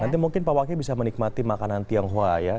nanti mungkin pak waki bisa menikmati makanan tianghua ya